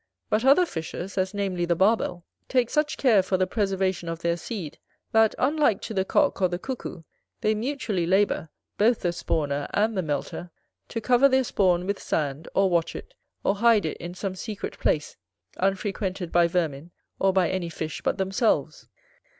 But other fishes, as namely the Barbel, take such care for the preservation of their seed, that, unlike to the Cock, or the Cuckoo, they mutually labour, both the spawner and the melter, to cover their spawn with sand, or watch it, or hide it in some secret place unfrequented by vermin or by any fish but themselves.